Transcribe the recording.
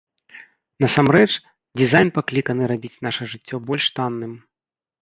Насамрэч дызайн пакліканы рабіць нашае жыццё больш танным.